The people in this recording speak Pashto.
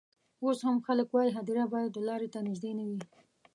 اوس هم خلک وايي هدیره باید و لاري ته نژدې نه وي.